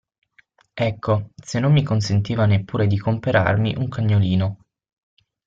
Ecco, se non mi consentiva neppure di comperarmi un cagnolino.